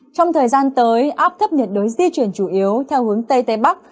trong thời gian tới áp thấp nhiệt đới di chuyển chủ yếu theo hướng tây tây bắc